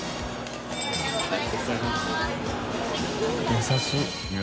優しい。